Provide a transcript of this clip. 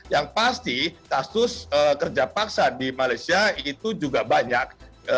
yang pasti kasus kerja paksa di malaysia itu juga banyak